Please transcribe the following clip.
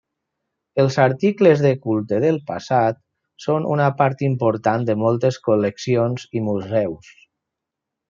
Els articles de culte del passat són una part important de moltes col·leccions i museus.